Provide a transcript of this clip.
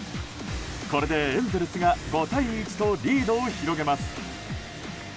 これでエンゼルスが５対１とリードを広げます。